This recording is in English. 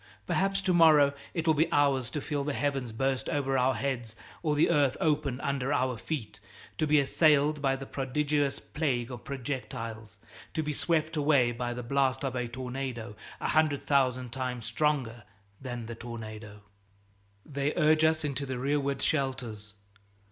Perhaps to morrow it will be ours to feel the heavens burst over our heads or the earth open under our feet, to be assailed by the prodigious plague of projectiles, to be swept away by the blasts of a tornado a hundred thousand times stronger than the tornado. They urge us into the rearward shelters.